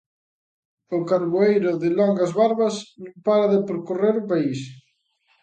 O carboeiro de longas barbas non para de percorrer o país.